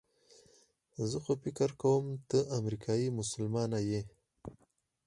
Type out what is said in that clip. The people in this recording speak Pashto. زه خو فکر کوم ته امریکایي مسلمانه یې.